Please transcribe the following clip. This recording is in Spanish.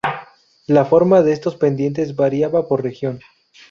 La forma de estos pendientes variaba por región.